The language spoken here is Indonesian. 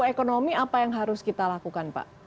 buat pelaku ekonomi apa yang harus kita lakukan pak